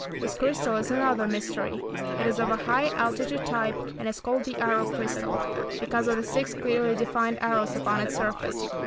This crystal is another mystery. It is of a high altitude type, and is called "the arrow crystal" because of the six clearly defined arrows upon its surface.